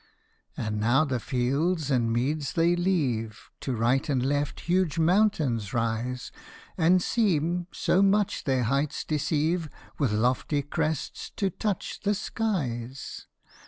49 PUSS IN BOOTS. And now the fields and meads they leave ; To right and left huge mountains rise, And seem so much their heights deceive With lofty crests to touch the skies.